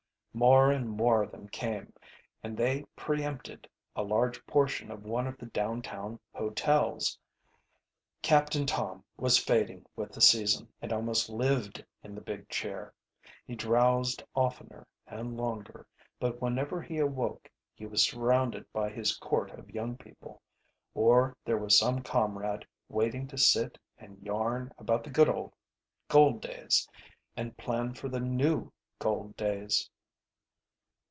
More and more of them came, and they pre empted a large portion of one of the down town hotels. Captain Tom was fading with the season, and almost lived in the big chair. He drowsed oftener and longer, but whenever he awoke he was surrounded by his court of young people, or there was some comrade waiting to sit and yarn about the old gold days and plan for the new gold days.